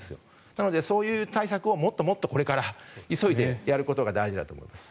なので、そういう対策をもっともっとこれから急いでやることが大事だと思います。